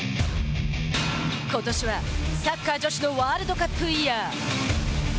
ことしは、サッカー女子のワールドカップイヤー。